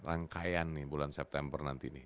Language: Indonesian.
rangkaian nih bulan september nanti ini